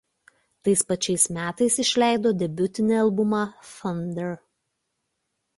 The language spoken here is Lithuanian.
Tais pačiais metais išleido debiutinį albumą „Thunder“.